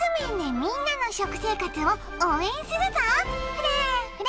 フレフレ！